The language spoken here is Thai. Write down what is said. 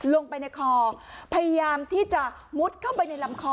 ลงไปในคอพยายามที่จะมุดเข้าไปในลำคอ